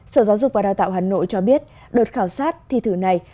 sở giáo dục và đào tạo hà nội cho biết đợt khảo sát thi thử này